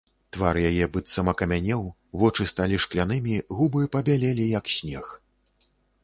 Твар яе быццам акамянеў, вочы сталі шклянымі, губы пабялелі, як снег.